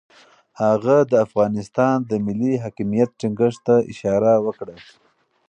هغه د افغانستان د ملي حاکمیت ټینګښت ته اشاره وکړه.